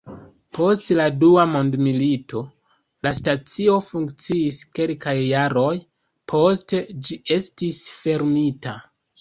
Post la Dua Mondmilito, la stacio funkciis kelkaj jaroj, poste ĝi estis fermita.